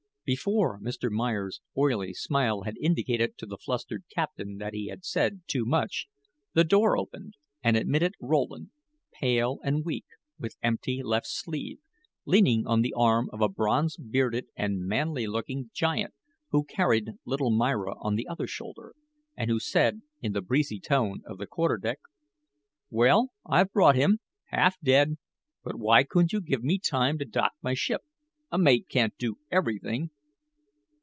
Before Mr. Meyer's oily smile had indicated to the flustered captain that he had said too much, the door opened and admitted Rowland, pale, and weak, with empty left sleeve, leaning on the arm of a bronze bearded and manly looking giant who carried little Myra on the other shoulder, and who said, in the breezy tone of the quarter deck: "Well, I've brought him, half dead; but why couldn't you give me time to dock my ship? A mate can't do everything."